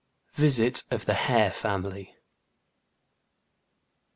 VISIT OF THE HARE FAMILY.